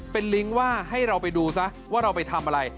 เป็นลิงก์ว่าให้เราไปดูซะว่าเราไปทำอะไร